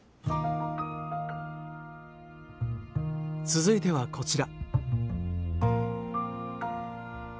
続いてはこちら。